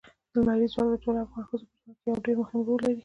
لمریز ځواک د ټولو افغان ښځو په ژوند کې یو ډېر مهم رول لري.